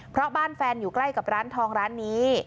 เพราะบ้านแฟนอยู่ใกล้กับร้านทองร้านนี้